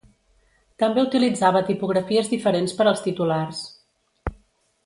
També utilitzava tipografies diferents per als titulars.